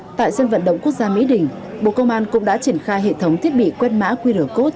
cuối năm hai nghìn hai mươi một tại dân vận động quốc gia mỹ đình bộ công an cũng đã triển khai hệ thống thiết bị quét mã quy rửa cốt